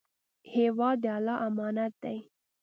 هېواد د الله امانت دی.